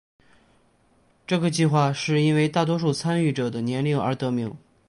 这个计画是因为大多数参加者的年龄而得名。